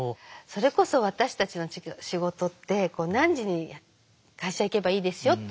それこそ私たちの仕事って何時に会社行けばいいですよってものではないので。